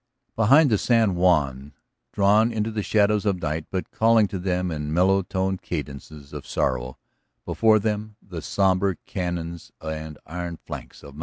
Behind them San Juan drawn into the shadows of night but calling to them in mellow toned cadences of sorrow, before them the sombre canons and iron flanks of Mt.